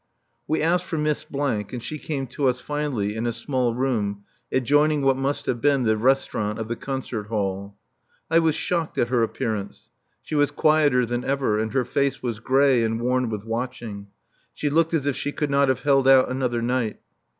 We asked for Miss , and she came to us finally in a small room adjoining what must have been the restaurant of the concert hall. I was shocked at her appearance. She was quieter than ever and her face was grey and worn with watching. She looked as if she could not have held out another night.